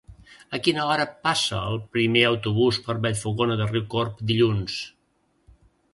A quina hora passa el primer autobús per Vallfogona de Riucorb dilluns?